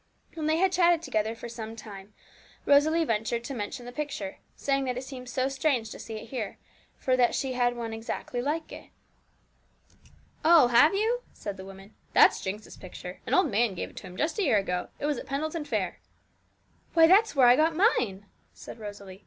When they had chatted together for some time, Rosalie ventured to mention the picture, saying that it seemed so strange to see it here, for that she had one exactly like it. 'Oh, have you?' said the woman. 'That's Jinx's picture. An old man gave it to him just a year ago, it will be; it was at Pendleton fair.' 'Why, that's where I got mine!' said Rosalie.